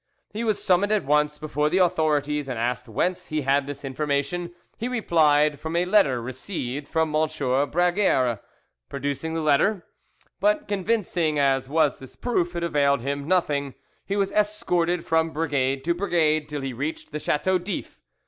He was summoned at once before the authorities and asked whence he had this information; he replied, "From a letter received from M. Bragueres," producing the letter. But convincing as was this proof, it availed him nothing: he was escorted from brigade to brigade till he reached the Chateau d'If.